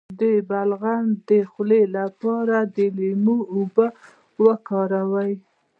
د بغل د خولې لپاره د لیمو اوبه وکاروئ